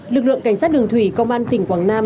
lực lượng cảnh sát đường thủy công an tỉnh quảng nam